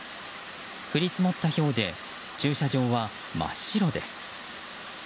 降り積もったひょうで駐車場は真っ白です。